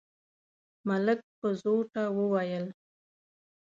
ملک په زوټه وويل: